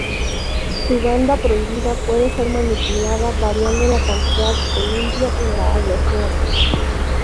Su banda prohibida puede ser manipulada variando la cantidad de Indio en la aleación.